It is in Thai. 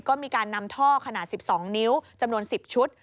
ก็มีการนำท่อขนาด๑๒นิ้วจำนวน๑๐ชุด